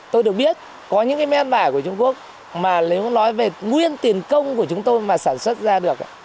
tôi được biết có những cái mén bả của trung quốc mà nếu nói về nguyên tiền công của chúng tôi mà sản xuất ra được